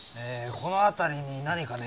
この辺りに何かね